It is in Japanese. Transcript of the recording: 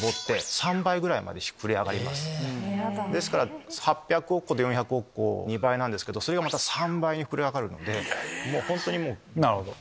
ですから８００億個と４００億個２倍なんですけどそれがまた３倍に膨れ上がるので。